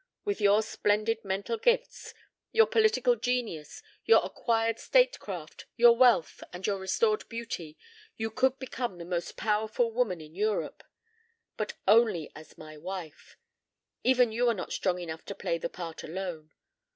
With your splendid mental gifts, your political genius, your acquired statecraft, your wealth, and your restored beauty, you could become the most powerful woman in Europe. But only as my wife. Even you are not strong enough to play the part alone.